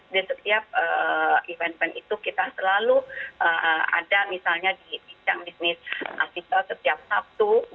jadi setiap event event itu kita selalu ada misalnya di bisnis asosiasi setiap sabtu